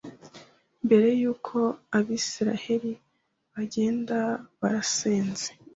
Mbere y’uko Abisirayeli bagenda barasenze